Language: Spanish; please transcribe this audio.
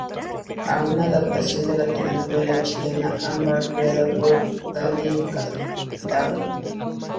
Es una adaptación de la telenovela chilena "Ámbar" creada por Daniella Castagno.